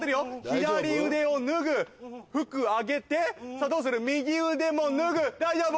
左腕を脱ぐ服あげてさあどうする右腕も脱ぐ大丈夫？